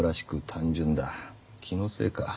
気のせいか。